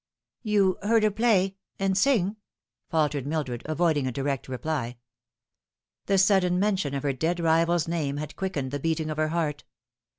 " You heard her play and sing ?" faltered Mildred, avoiding a direct reply. The sudden mention of her dead rival's name had quickened the beating of her heart.